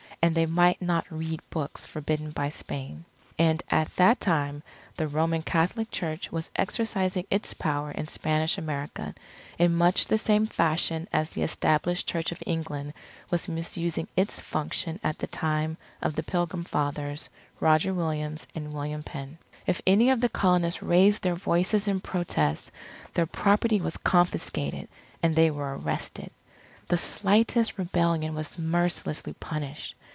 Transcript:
And they might not read books forbidden by Spain. And at that time, the Roman Catholic Church was exercising its power in Spanish America, in much the same fashion as the Established Church of England was misusing its function at the time of the Pilgrim Fathers, Roger Williams, and William Penn. If any of the Colonists raised their voices in protest, their property was confiscated, and they were arrested. The slightest rebellion was mercilessly punished.